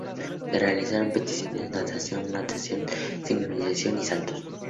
Se realizaron competiciones de natación, natación sincronizada y saltos.